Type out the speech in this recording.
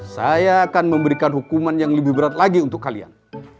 saya akan memberikan hukuman yang lebih berat lagi untuk kalian